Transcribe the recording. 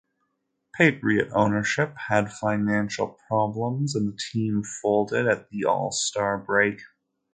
Patriot ownership had financial problems and the team folded at the all-star break.